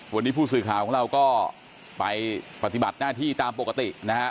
วันนี้ผู้สื่อข่าวของเราก็ไปปฏิบัติหน้าที่ตามปกตินะฮะ